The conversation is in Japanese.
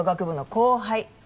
後輩？